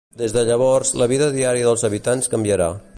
Des de llavors, la vida diària dels habitants canviarà.